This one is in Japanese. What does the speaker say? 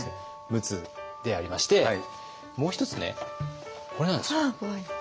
「ムツ」でありましてもう一つねこれなんですよ。